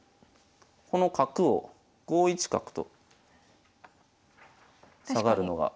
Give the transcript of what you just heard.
この角を５一角と下がるのが。